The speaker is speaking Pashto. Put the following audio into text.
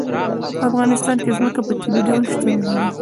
په افغانستان کې ځمکه په طبیعي ډول شتون لري.